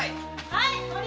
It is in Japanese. はい！